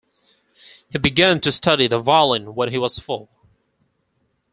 He began to study the violin when he was four.